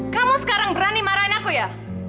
kamu sekarang berani marahin aku ya